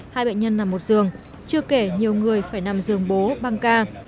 hai bệnh nhân nằm một giường chưa kể nhiều người phải nằm giường bố băng ca